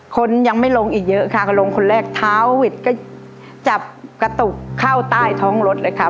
คนยังไม่ลงอีกเยอะค่ะก็ลงคนแรกเท้าหวิดก็จับกระตุกเข้าใต้ท้องรถเลยค่ะ